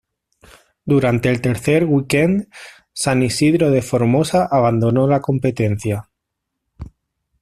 Durante el tercer weekend San Isidro de Formosa abandonó la competencia.